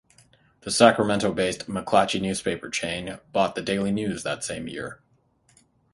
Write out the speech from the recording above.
The Sacramento-based McClatchy newspaper chain, bought the "Daily News" that same year.